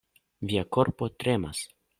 Via korpo tremas.